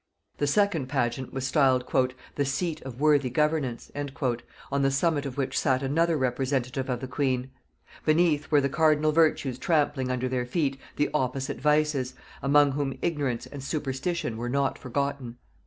The second pageant was styled "The seat of worthy governance," on the summit of which sat another representative of the queen; beneath were the cardinal virtues trampling under their feet the opposite vices, among whom Ignorance and Superstition were not forgotten.